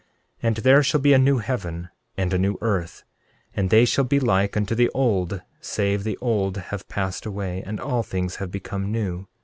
13:9 And there shall be a new heaven and a new earth; and they shall be like unto the old save the old have passed away, and all things have become new.